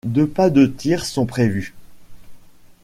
Deux pas de tir sont prévus.